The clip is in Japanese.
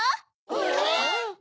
えっ！